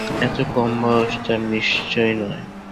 এত কম বয়স তার নিশ্চয় নয়।